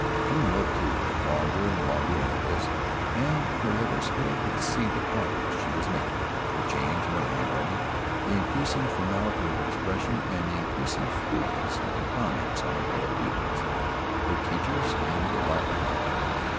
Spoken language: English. June wrote, too, at longer and longer intervals and in her letters, Hale could see the progress she was making the change in her handwriting, the increasing formality of expression, and the increasing shrewdness of her comments on her fellow pupils, her teachers and the life about her.